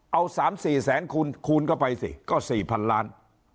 เอา๓๔แสนคูณคูณเข้าไปสิก็๔๐๐๐ล้าน